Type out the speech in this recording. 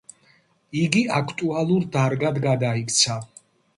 იგი აქტუალურ დარგად გადაიქცა.